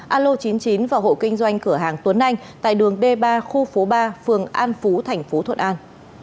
alo chín mươi chín và hộ kinh doanh cửa hàng tuấn anh tại đường d ba khu phố ba phường an phú thành phố thuận an